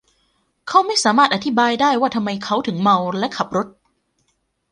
เขาไม่สามารถอธิบายได้ว่าทำไมเขาถึงเมาและขับรถ